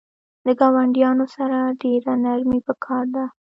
د ګاونډیانو سره ډیره نرمی پکار ده